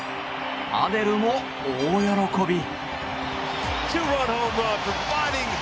アデルも大喜び。